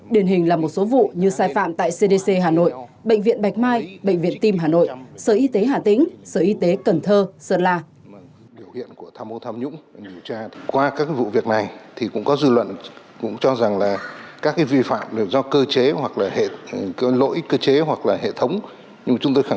điển hình là một số vụ như sai phạm tại cdc hà nội bệnh viện bạch mai bệnh viện tim hà nội sở y tế hà tĩnh sở y tế cần thơ sơn la